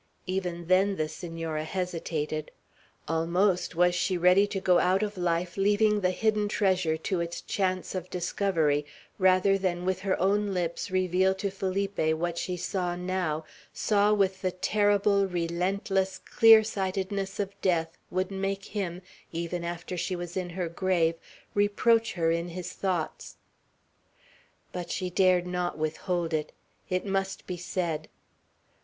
Even then the Senora hesitated. Almost was she ready to go out of life leaving the hidden treasure to its chance of discovery, rather than with her own lips reveal to Felipe what she saw now, saw with the terrible, relentless clear sightedness of death, would make him, even after she was in her grave, reproach her in his thoughts. But she dared not withhold it. It must be said.